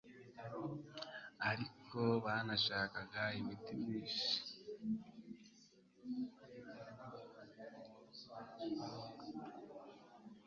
ariko banashaka imiti myinshi